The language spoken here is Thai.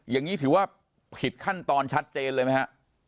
อย่างนี้ถือว่าผิดขั้นตอนชัดเจนเลยไหมฮะ